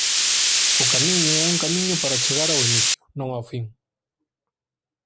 O camiño é un camiño para chegar ao inicio non ao fin.